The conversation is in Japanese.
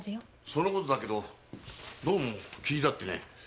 その事だけどどうも気になってね。